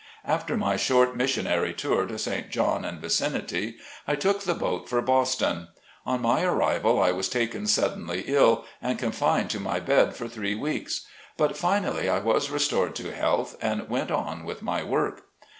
After my short missionary tour to St. John and vicinity, I took the boat for Boston. On my arrival I was taken suddenly ill, and confined to my bed for three weeks. But finally I was restored to health and went on with my work.